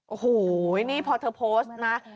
โอ้โหนี่พอเธอโพสต์นะ